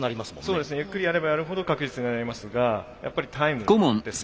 そうですねゆっくりやればやるほど確実になりますがやっぱりタイムですので。